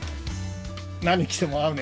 何着ても合うね。